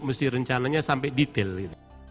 mesti rencananya sampai detail